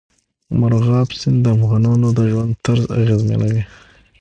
مورغاب سیند د افغانانو د ژوند طرز اغېزمنوي.